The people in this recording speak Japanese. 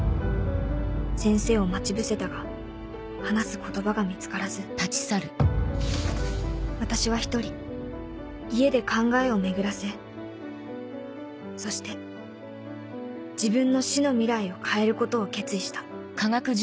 先生を待ち伏せたが話す言葉が見つからず私は一人家で考えを巡らせそして自分の死の未来を変えることを決意した